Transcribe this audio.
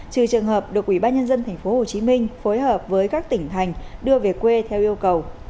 trừ trường hợp được ủy ban nhân dân tp hcm phối hợp với các tỉnh thành đưa về quê theo yêu cầu